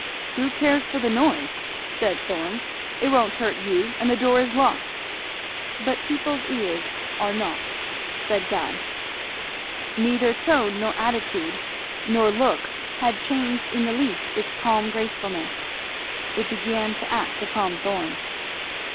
"Who cares for the noise?" said Thorn. "It won't hurt you; and the door is locked." "But people's ears are not," said Guy. Neither tone nor attitude nor look had changed in the least its calm gracefulness. It began to act upon Thorn.